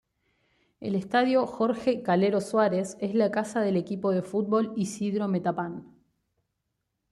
El Estadio Jorge "Calero" Suárez es la casa del equipo de fútbol Isidro Metapán.